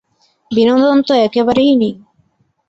বিনোদন তো একেবারেই নেই।